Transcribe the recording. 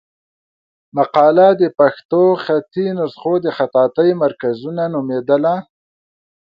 مقاله د پښتو خطي نسخو د خطاطۍ مرکزونه نومېدله.